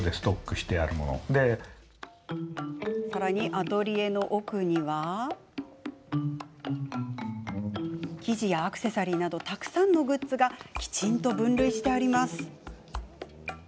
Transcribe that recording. アトリエの奥には生地やアクセサリーなどたくさんのグッズがきちんと分類されています。